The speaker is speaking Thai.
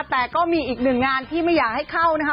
แต่ก็มีอีกหนึ่งงานที่ไม่อยากให้เข้านะคะ